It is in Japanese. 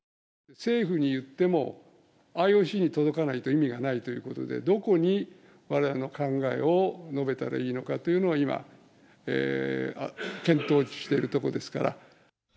政府に言っても、ＩＯＣに届かないと意味がないということで、どこにわれわれの考えを述べたらいいのかというのを、今、検討しているところですから。